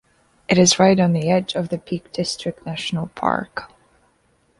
It is right on the edge of the Peak District National Park.